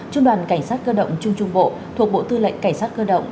trung đoàn cảnh sát cơ động trung trung bộ thuộc bộ tư lệnh cảnh sát cơ động